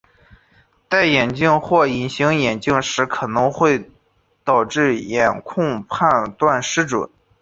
在戴眼镜或隐形眼镜时可能导致眼控判断失准。